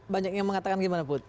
banyak yang mengatakan gimana put